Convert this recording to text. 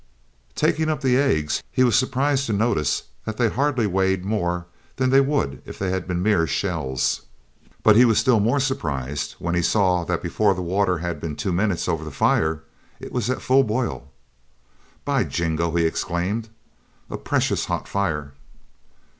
Taking up the eggs, he was surprised to notice that they hardly weighed more than they would if they had been mere shells; but he was still more surprised when he saw that before the water had been two minutes over the fire it was at full boil. "By jingo!" he exclaimed, "a precious hot fire!"